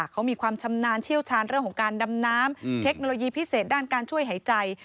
เขามีความชำนาญเชี่ยวชาญเรื่องของการดำน้ำเทคโนโลยีพิเศษด้านการช่วยหายใจ